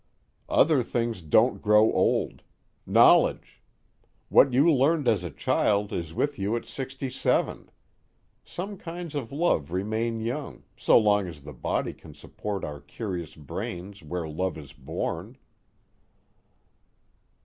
"Other things don't grow old. Knowledge. What you learned as a child is with you at sixty seven. Some kinds of love remain young, so long as the body can support our curious brains where love is born."